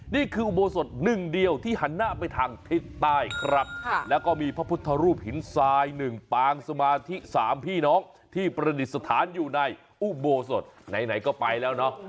นี่คืออุโบสถหนึ่งเดียวที่หันหน้าไปทางทิศใต้ครับแล้วก็มีพระพุทธรูปหินทราย๑ปางสมาธิ๓พี่น้องที่ประดิษฐานอยู่ในอุโบสถไหนก็ไปแล้วเนาะ